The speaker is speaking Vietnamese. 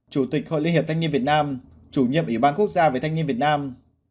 chủ tịch hội liên hiệp thanh niên việt nam chủ nhiệm ủy ban quốc gia về thanh niên việt nam